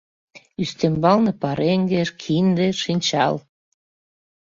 Ӱстембалне пареҥге, кинде, шинчал.